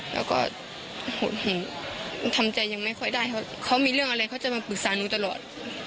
แล้วก็ทำใจยังไม่ค่อยได้เขามีเรื่องอะไรเขาจะมาปรึกษาหนูตลอด